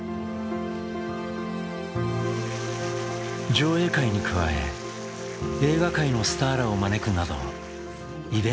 上映会に加え映画界のスターらを招くなどイベントも開催。